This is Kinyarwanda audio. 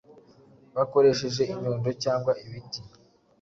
bakoresheje inyundo cyangwa ibiti